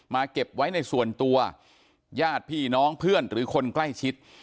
เก็บไว้ในส่วนตัวญาติพี่น้องเพื่อนหรือคนใกล้ชิด